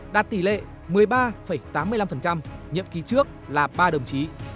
đạt tỷ lệ một mươi ba tám mươi năm nhiệm kỳ trước là ba đồng chí